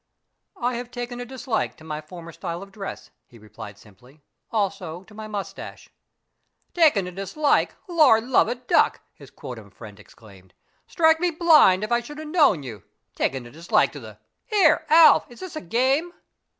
"I have taken a dislike to my former style of dress," he replied simply, "also to my moustache." "Taken a dislike Lord love a duck!" his quondam friend exclaimed. "Strike me blind if I should have known you! Taken a dislike to the here, Alf, is this a game?"